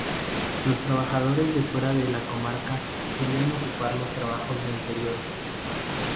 Los trabajadores de fuera de la comarca solían ocupar los trabajos de interior.